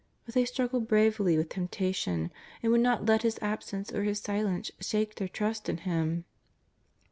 But they struggled bravely with temptation and would not let His absence or His silence shake their trust in Him.